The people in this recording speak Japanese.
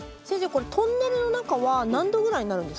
これトンネルの中は何度ぐらいになるんですか？